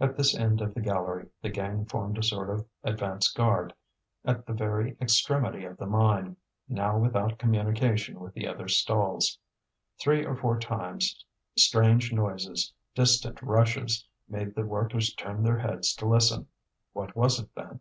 At this end of the gallery the gang formed a sort of advance guard at the very extremity of the mine, now without communication with the other stalls. Three or four times strange noises, distant rushes, made the workers turn their heads to listen. What was it, then?